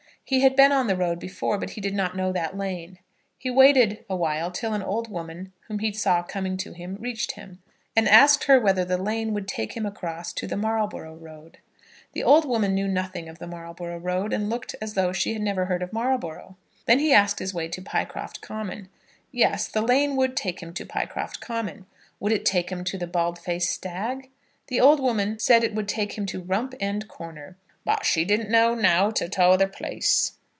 He had been on the road before, but he did not know that lane. He waited awhile till an old woman whom he saw coming to him, reached him, and asked her whether the lane would take him across to the Marlborough Road. The old woman knew nothing of the Marlborough Road, and looked as though she had never heard of Marlborough. Then he asked the way to Pycroft Common. Yes; the lane would take him to Pycroft Common. Would it take him to the Bald faced Stag? The old woman said it would take him to Rump End Corner, "but she didn't know nowt o' t'other place."